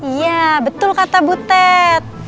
iya betul kata butet